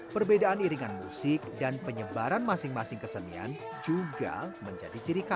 perbedaan iringan musik dan penyebaran masing masing kesenian juga menjadi ciri khas